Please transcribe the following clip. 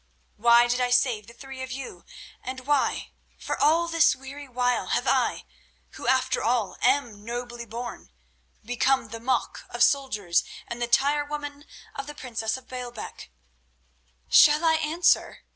Why did I save the three of you? And why, for all this weary while, have I—who, after all, am nobly born—become the mock of soldiers and the tire woman of the princess of Baalbec? "Shall I answer?"